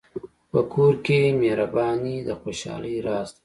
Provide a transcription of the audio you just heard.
په کور کې مهرباني د خوشحالۍ راز دی.